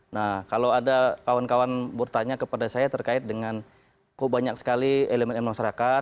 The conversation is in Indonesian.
nah kalau ada kawan kawan bertanya kepada saya terkait dengan kok banyak sekali elemen elemen masyarakat